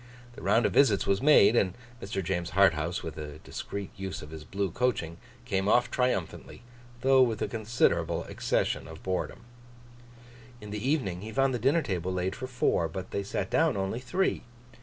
The round of visits was made; and Mr. James Harthouse, with a discreet use of his blue coaching, came off triumphantly, though with a considerable accession of boredom. In the evening, he found the dinner table laid for four, but they sat down only three.